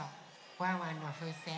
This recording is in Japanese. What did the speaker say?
ワンワンのふうせん。